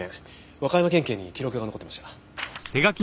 和歌山県警に記録が残ってました。